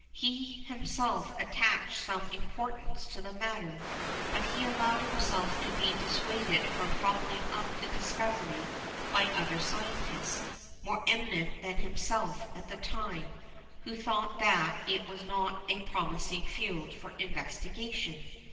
He himself attached some importance to the matter, but he allowed himself to be dissuaded from following up the discovery by other scientists, more eminent than himself at the time, who thought that it was not a promising field for investigation.